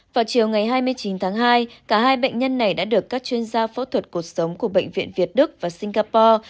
vào chiều ngày hai mươi chín tháng hai cả hai bệnh nhân này đã được các chuyên gia phẫu thuật cuộc sống của bệnh viện việt đức và singapore